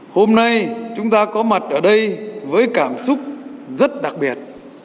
hôm nay chúng ta có mặt ở đây với cảm xúc rất đặc biệt